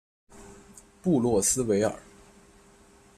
布洛斯维尔。